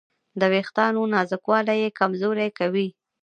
د وېښتیانو نازکوالی یې کمزوري کوي.